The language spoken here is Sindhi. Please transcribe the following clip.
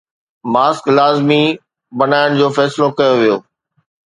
ماسڪ لازمي بڻائڻ جو فيصلو ڪيو ويو